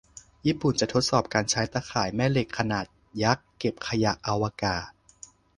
ญี่ปุ่นจะทดสอบการใช้ตาข่ายแม่เหล็กขนาดยักษ์เก็บขยะอวกาศ